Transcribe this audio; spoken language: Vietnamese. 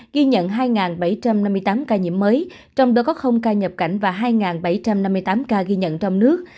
ghi nhận hai bảy trăm năm mươi tám ca nhiễm mới trong đó có không ca nhập cảnh và hai bảy trăm năm mươi tám ca ghi nhận trong nước